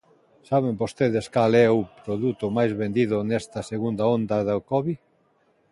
Saben vostedes cal é o produto máis vendido nesta segunda onda da covid?